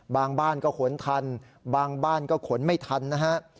บ้านก็ขนทันบางบ้านก็ขนไม่ทันนะฮะ